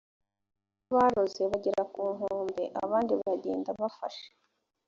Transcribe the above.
bamwe baroze bagera ku nkombe abandi bagenda bafashe